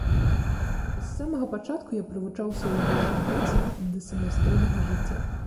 З самага пачатку я прывучаўся ў ешыбоце да самастойнага жыцця.